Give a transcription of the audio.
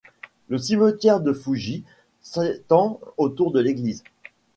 Le cimetière de Fougy s'étend autour de l'église.